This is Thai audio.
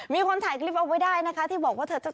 มีคนถ่ายคลิปแล้วไว้ได้นะคะ